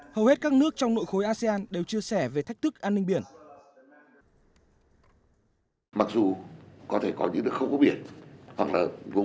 hầu hết các nước trong nội khối asean đều chia sẻ về thách thức an ninh biển